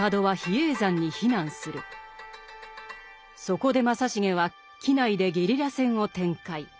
そこで正成は畿内でゲリラ戦を展開。